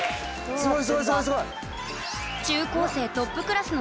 すごい！